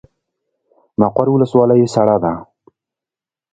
مقر ولسوالۍ سړه ده؟